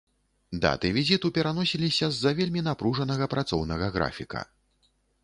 Даты візіту пераносіліся з-за вельмі напружанага працоўнага графіка.